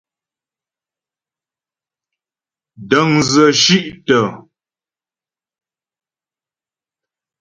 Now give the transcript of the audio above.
Dəŋdzə shí'tə.